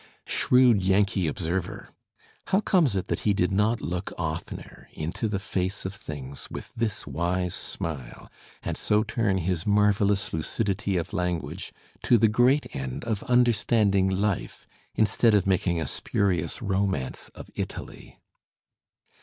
'' Shrewd Yankee observer! how comes it that he did not look oftener into the face of things with this wise smile, and so turn his marvellous lucidity of language to the great end of understanding life instead of making a spurious romance of Italy?